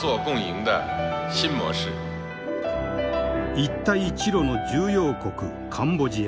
一帯一路の重要国カンボジア。